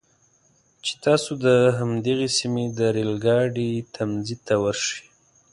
چې تاسو د همدغې سیمې د ریل ګاډي تمځي ته ورشئ.